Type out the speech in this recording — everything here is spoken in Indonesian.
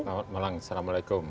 selamat malam assalamualaikum